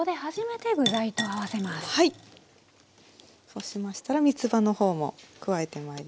そうしましたらみつばの方も加えてまいります。